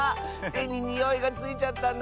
てににおいがついちゃったんだ。